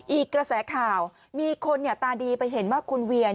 อีกกระแสข่าวมีคนตาดีไปเห็นว่าคุณเวียน